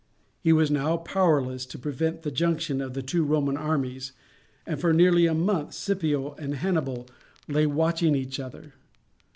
He was now powerless to prevent the junction of the two Roman armies, and for nearly a month Scipio and Hannibal lay watching each other.